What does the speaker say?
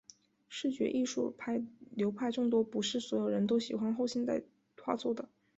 视觉艺术流派众多，不是所有人都喜欢后现代画作的。